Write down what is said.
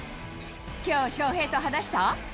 きょう、翔平と話した？